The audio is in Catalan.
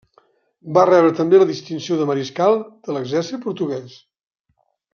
Va rebre també la distinció de mariscal de l'exèrcit portuguès.